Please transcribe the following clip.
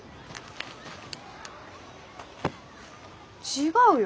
違うよ